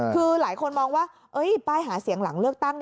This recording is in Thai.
คือหลายคนมองว่าป้ายหาเสียงหลังเลือกตั้ง